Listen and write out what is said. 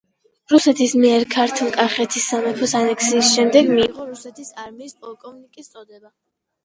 რუსეთის მიერ ქართლ-კახეთის სამეფოს ანექსიის შემდეგ მიიღო რუსეთის არმიის პოლკოვნიკის წოდება.